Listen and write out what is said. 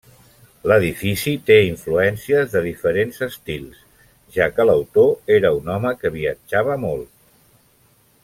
L'edifici té influències de diferents estils, ja que l'autor era un home que viatjava molt.